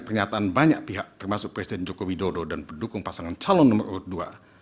pernyataan banyak pihak termasuk presiden joko widodo dan pendukung pasangan calon nomor urut dua